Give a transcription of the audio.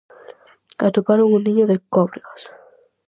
Atoparon un niño de cóbregas.